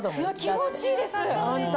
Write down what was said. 気持ちいいです！